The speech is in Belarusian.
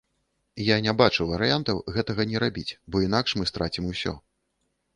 І я не бачу варыянтаў гэтага не рабіць, бо інакш мы страцім усё.